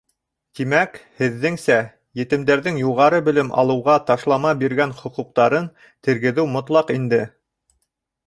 — Тимәк, һеҙҙеңсә, етемдәрҙең юғары белем алыуға ташлама биргән хоҡуҡтарын тергеҙеү мотлаҡ инде?